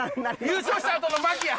優勝したあとの牧や！